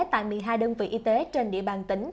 tại một mươi hai đơn vị y tế trên địa bàn tỉnh